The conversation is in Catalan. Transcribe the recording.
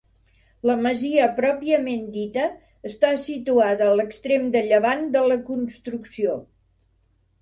La masia pròpiament dita està situada a l'extrem de llevant de la construcció.